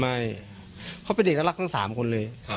ไม่เขาเป็นเด็กน่ารักทั้ง๓คนเลย